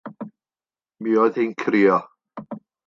Mi oedd hi'n crio.